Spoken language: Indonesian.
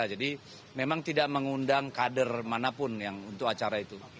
jadi memang tidak mengundang kader manapun yang untuk acara itu